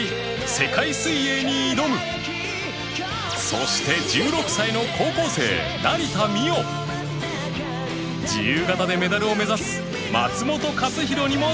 そして１６歳の高校生成田実生自由形でメダルを目指す松元克央にも注目！